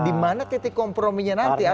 di mana titik komprominya nanti atau apakah